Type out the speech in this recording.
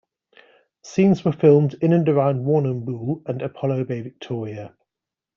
Scenes were filmed in and around Warrnambool and Apollo Bay, Victoria.